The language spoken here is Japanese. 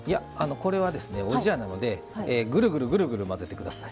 これは、おじやなのでぐるぐる混ぜてください。